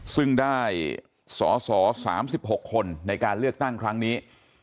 ซึ่งได้สอสอ๓๖คนในการเลือกตั้งครั้งนี้